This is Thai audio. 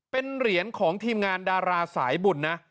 เป็นเหรียญของทีมงานดาราสายบุญนะ